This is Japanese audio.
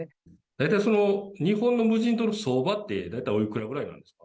大体その、日本の無人島の相場って、大体おいくらぐらいなんですか？